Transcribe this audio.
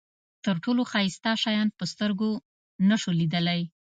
تر ټولو ښایسته شیان په سترګو نشو لیدلای.